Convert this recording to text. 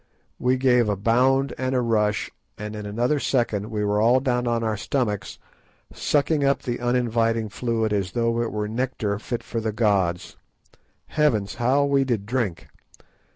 We gave a bound and a rush, and in another second we were all down on our stomachs sucking up the uninviting fluid as though it were nectar fit for the gods. Heavens, how we did drink!